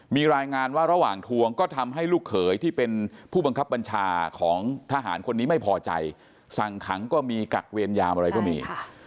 มีรายงานว่าระหว่างทวงก็ทำให้ลูกเขยที่เป็นผู้บังคับบัญชาของทหารคนนี้ไม่พอใจสั่งขังก็มีกักเวรยามอะไรก็มี